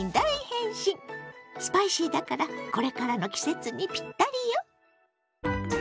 スパイシーだからこれからの季節にピッタリよ！